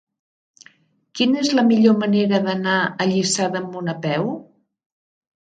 Quina és la millor manera d'anar a Lliçà d'Amunt a peu?